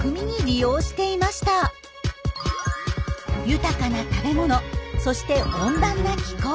豊かな食べ物そして温暖な気候。